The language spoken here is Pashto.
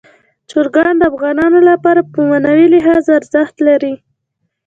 چرګان د افغانانو لپاره په معنوي لحاظ ارزښت لري.